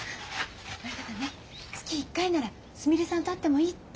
親方ね月１回ならすみれさんと会ってもいいって。